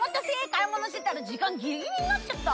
買い物してたら時間ギリギリになっちゃった。